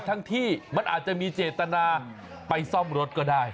ทั้งที่มันอาจจะมีเจตนาไปซ่อมรถก็ได้